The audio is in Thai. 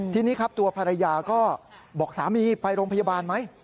ทีนี้ครับตัวภรรยาก็บอกสามีไปโรงพยาบาลไหม